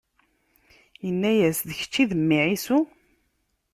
Inna-yas: D kečč i d mmi Ɛisu?